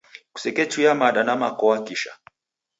Kusekechuya mada na makoa kisha.